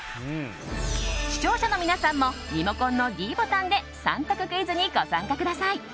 視聴者の皆さんもリモコンのｄボタンで３択クイズにご参加ください。